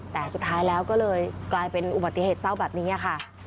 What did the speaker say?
แต่สุดท้ายแล้วก็เลยกลายเป็นอุบัติเหตุเศร้าแบบนี้ค่ะ